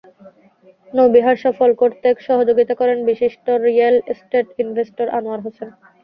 নৌবিহার সফল করতে সহযোগিতা করেন বিশিষ্ট real estate investor Anwar Hossain.